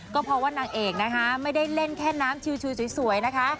ก็เพราะว่านางเอกนะคะไม่ได้เล่นแค่น้ำชิวสวยนะคะ